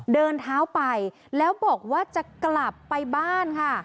เดินเท้าไปแล้วบอกว่าจะกลับไปบ้านค่ะ